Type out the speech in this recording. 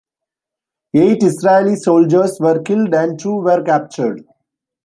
Eight Israeli soldiers were killed and two were captured.